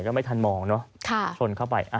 แล้วไม่ทันมองชนเข้าไป